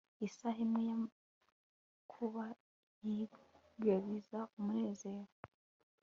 isaha imwe y'amakuba yibagiza umunezero